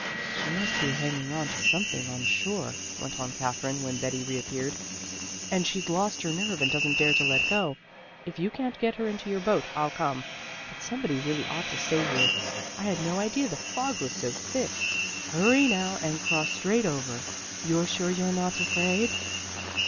"She must be hanging on to something on shore," went on Katherine, when Betty reappeared, "and she's lost her nerve and doesn't dare to let go. If you can't get her into your boat, I'll come; but somebody really ought to stay here. I had no idea the fog was so thick. Hurry now and cross straight over. You're sure you're not afraid?"